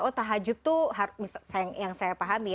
oh tahajud tuh yang saya paham ya